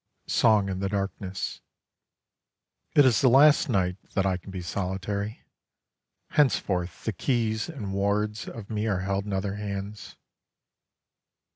IV SONG IN THE DARKNESS It is the last night that I can be solitary: Henceforth the keys and wards of me are held in other hands.